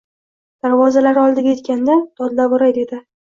Darvozalari oldiga yetganda dodlavoray dedi.